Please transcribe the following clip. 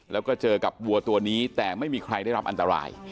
แล้วก็เจอกับวัวตัวนี้แต่ไม่มีใครได้รับอันตราย